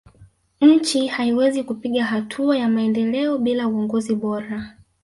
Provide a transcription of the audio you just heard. nchi haiwezi kupiga hatua ya maendeleo bila uongozi bora